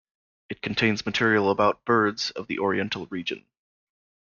It contains material about birds of the Oriental region.